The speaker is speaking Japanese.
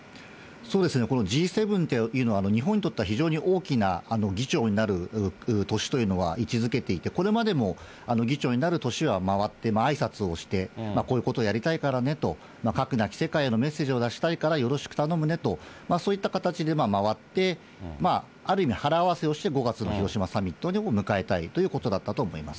そうですね、このＧ７というのは、日本にとっては非常に大きな議長になる年というのは位置づけていて、これまでも議長になる年は回ってあいさつをしてこういうことをやりたいからねと、核なき世界のメッセージを出したいから、よろしく頼むねと、そういった形で周って、ある意味腹合わせをして、５月の広島サミットを迎えたいということだったと思います。